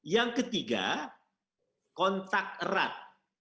yang ketiga kontak erat